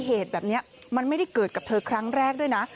เหตุแบบนี้มันไม่ได้เกิดกับเธอครั้งแรกด้วยนะ